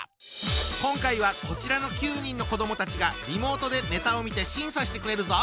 今回はこちらの９人の子どもたちがリモートでネタを見て審査してくれるぞ！